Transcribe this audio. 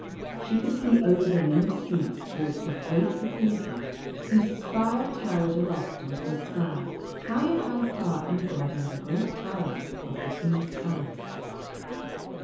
She could see over the many streets towards the great cathedral whose spire towered aloft into the sky higher by far even than the great tower of the king's palace.